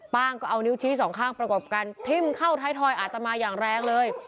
งก็เอานิ้วชี้สองข้างประกบกันทิ้มเข้าท้ายทอยอาตมาอย่างแรงเลย